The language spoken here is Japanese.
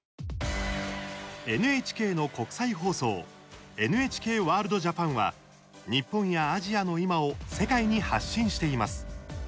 ＮＨＫの国際放送ＮＨＫワールドＪＡＰＡＮは日本やアジアの今を世界に発信しています。